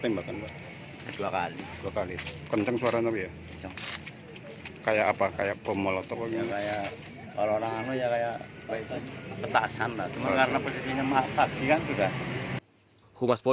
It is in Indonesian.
teman kesini gak pak ada apa perusahaan